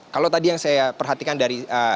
kalau tadi yang saya perhatikan dari